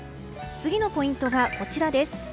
次のポイントはこちらです。